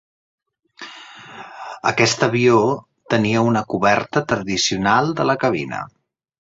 Aquest avió tenia una coberta tradicional de la cabina.